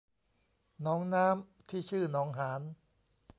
หนองน้ำที่ชื่อหนองหาน